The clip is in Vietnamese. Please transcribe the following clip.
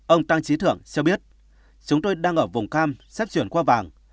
ông tăng trí thượng cho biết chúng tôi đang ở vùng cam sắp chuyển qua vàng